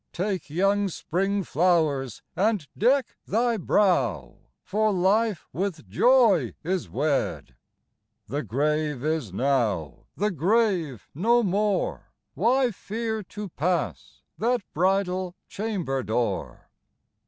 " Take young spring flowers, and deck thy brow, For life with joy is wed : The grave is now the grave no more ; Why fear to pass that bridal chamber door